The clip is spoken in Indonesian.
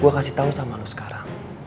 gue kasih tau sama lo sekarang